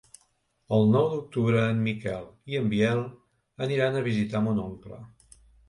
El nou d'octubre en Miquel i en Biel aniran a visitar mon oncle.